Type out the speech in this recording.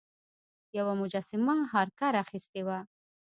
یوه مجسمه هارکر اخیستې وه.